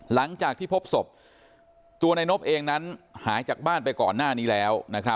หลังจากที่พบศพตัวนายนบเองนั้นหายจากบ้านไปก่อนหน้านี้แล้ว